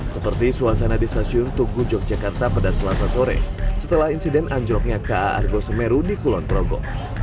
seperti suasana di stasiun tugu yogyakarta pada selasa sore setelah insiden anjloknya ka argo semeru di kulon progo